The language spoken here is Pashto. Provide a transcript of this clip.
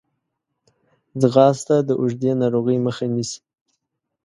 ځغاسته د اوږدې ناروغۍ مخه نیسي